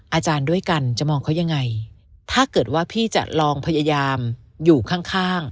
อาจารย์ด้วยกันจะมองเขายังไงถ้าเกิดว่าพี่จะลองพยายามอยู่ข้างข้าง